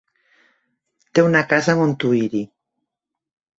Té una casa a Montuïri.